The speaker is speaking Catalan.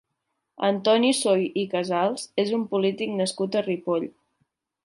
Antoni Soy i Casals és un polític nascut a Ripoll.